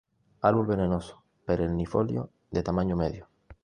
Árbol venenoso, perennifolio de tamaño medio.